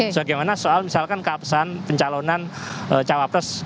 bagaimana soal misalkan keapesan pencalonan cawapres dua